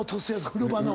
風呂場の！